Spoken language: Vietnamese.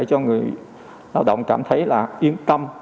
cho người lao động cảm thấy là yên tâm